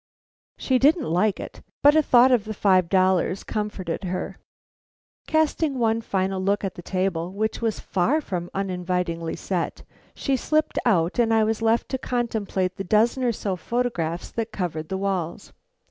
She didn't like it, but a thought of the five dollars comforted her. Casting one final look at the table, which was far from uninvitingly set, she slipped out and I was left to contemplate the dozen or so photographs that covered the walls.